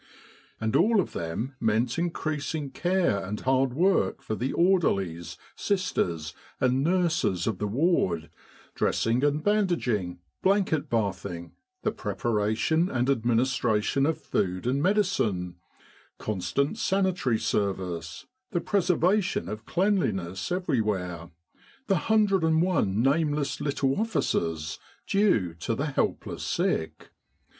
And all of them meant increasing care and hard work for the orderlies, sisters, and nurses of the ward dressing and bandaging, blanket bathing, the preparation and administration of food and medi cine, constant sanitary service, the preservation of cleanliness everywhere, the hundred and one nameless little offices due to the helpless sick.